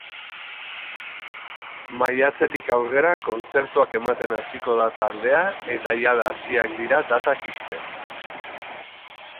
Maiatzetik aurrera kontzertuak ematen hasiko da taldea eta jada hasiak dira datak ixten.